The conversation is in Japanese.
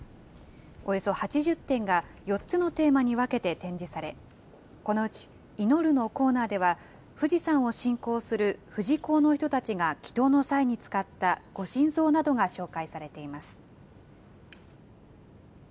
およそ８０点が４つのテーマに分けて展示され、このうち、いのるのコーナーでは、富士山を信仰する富士講の人たちが祈とうの際に使ったご神像などが紹介されています。